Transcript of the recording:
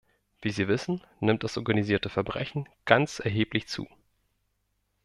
Wie Sie wissen, nimmt das organisierte Verbrechen ganz erheblich zu.